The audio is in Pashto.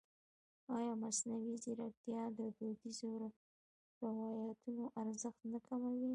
ایا مصنوعي ځیرکتیا د دودیزو روایتونو ارزښت نه کموي؟